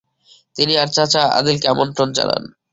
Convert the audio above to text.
তিনি তার চাচা আদিলকে আমন্ত্রণ জানান।